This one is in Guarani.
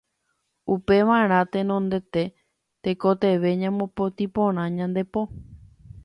Upevarã tenondete tekotevẽ ñamopotĩ porã ñande po.